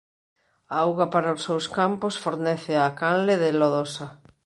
A auga para os seus campos fornécea a canle de Lodosa.